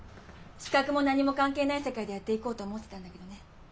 資格も何も関係ない世界でやっていこうと思ってたんだけどね